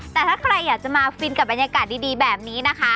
แต่ถ้าใครอยากจะมาฟินกับบรรยากาศดีแบบนี้นะคะ